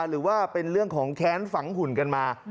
หรือว่าเป็นเรื่องของแค้นฝังหุ่นกันมา